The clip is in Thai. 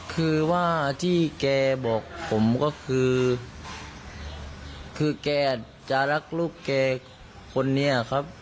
คือว่าที่แกบอกผมก็คือแกจะรักลูกแกคนนี้ครับ